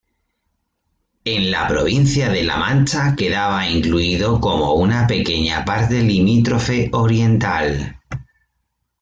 En la provincia de La Mancha quedaba incluido como una pequeña parte limítrofe oriental.